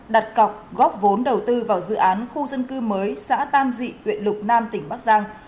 đặt cọc góp vốn đầu tư vào dự án khu dân cư mới xã tam dị huyện lục nam tỉnh bắc giang